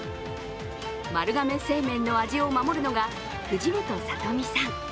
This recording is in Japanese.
丸亀製麺の味を守るのが藤本智美さん。